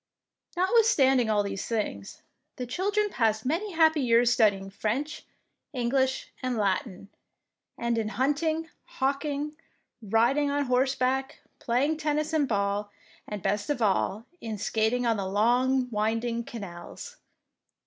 Notwithstanding all these things, the children passed many happy years studying French, English, and Latin, and in hunting, hawking, riding on horseback, playing tennis and ball, and, best of all, in skating on the long winding canals.